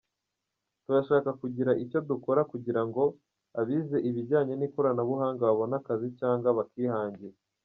Turashaka kugira icyo dukora kugira ngo abize ibijyanye n’ikoranabuhanga babone akazi cyangwa bakihangire.